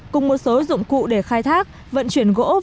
cùng một số dụng cụ để khám xét